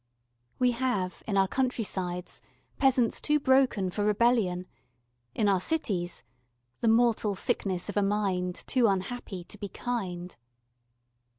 We have, in our countrysides, peasants too broken for rebellion, in our cities. The mortal sickness of a mind Too unhappy to be kind.